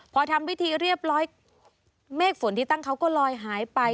พอทำพิธีเรียบร้อยเมฆฝนที่ตั้งเขาก็ลอยหายไป